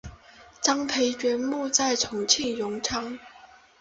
张培爵墓在重庆荣昌。